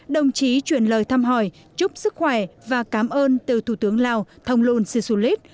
đồng chí truyền lời thăm hỏi chúc sức khỏe và cảm ơn từ thủ tướng lào thông lôn sì xuân lít